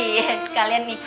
iya sekalian nih